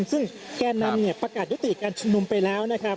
ซึ่งแก้นนำประกาศยุติการชมนุมไปแล้ว